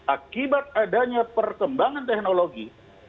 akibat adanya perkembangan teknologi